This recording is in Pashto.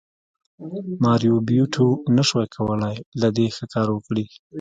ماریو بیوټو نشوای کولی له دې ښه کار وکړي